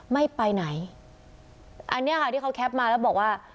ไม่ไปไหนอันนี้ค่ะที่เขาแคปมาแล้วบอกว่า